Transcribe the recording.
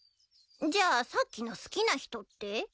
じゃあさっきの好きな人って？